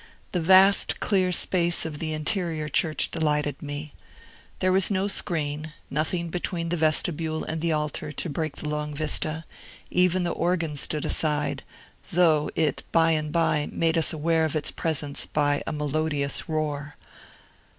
The vast, clear space of the interior church delighted me. There was no screen, nothing between the vestibule and the altar to break the long vista; even the organ stood aside, though it by and by made us aware of its presence by a melodious roar.